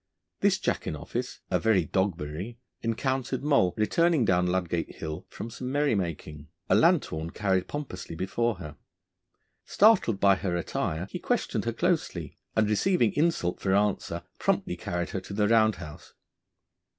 This jack in office, a very Dogberry, encountered Moll returning down Ludgate Hill from some merry making, a lanthorn carried pompously before her. Startled by her attire he questioned her closely, and receiving insult for answer, promptly carried her to the Round House.